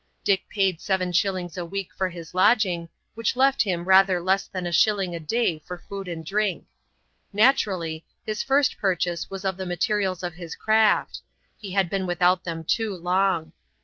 Dick paid seven shillings a week for his lodging, which left him rather less than a shilling a day for food and drink. Naturally, his first purchase was of the materials of his craft; he had been without them too long.